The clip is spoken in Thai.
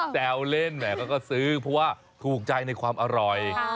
แซวเล่นแหมก็ซื้อเพราะว่าถูกใจในความอร่อย